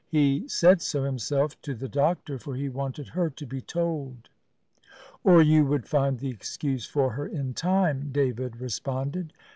He said so himself to the doctor, for he wanted her to be told. "Or you would find the excuse for her in time," David responded.